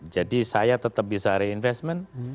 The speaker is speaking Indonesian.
jadi saya tetap bisa reinvestment